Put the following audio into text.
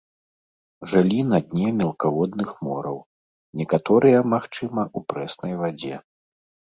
Жылі на дне мелкаводных мораў, некаторыя, магчыма, у прэснай вадзе.